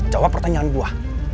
jawab pertanyaan gua